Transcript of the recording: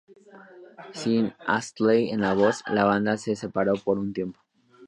Sin Astley en la voz, la banda se separó por un tiempo.